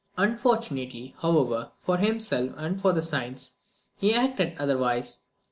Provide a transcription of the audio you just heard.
Unfortunately, however, for himself and for science, he acted otherwise.